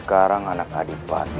sekarang anak adik patiwan ayasa